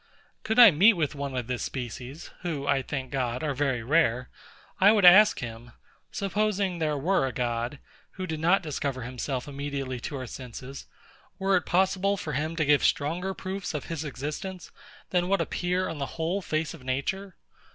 Could I meet with one of this species (who, I thank God, are very rare), I would ask him: Supposing there were a God, who did not discover himself immediately to our senses, were it possible for him to give stronger proofs of his existence, than what appear on the whole face of Nature?